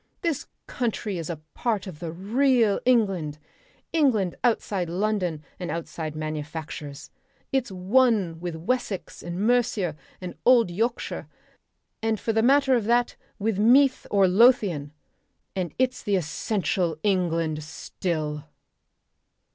This country is a part of the real England England outside London and outside manufactures. It's one with Wessex and Mercia or old Yorkshire or for the matter of that with Meath or Lothian. And it's the essential England still...."